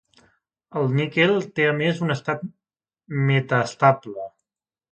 El níquel té a més un estat metaestable.